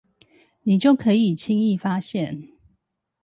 你就可以輕易發現